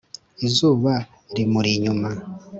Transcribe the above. izuba rimuri inyuma